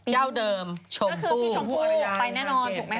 เจ้าเดิมชมภูไปแน่นอนถูกไหมครับ